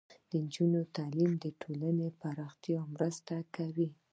د نجونو تعلیم د ټولنې پراختیا مرسته کوي.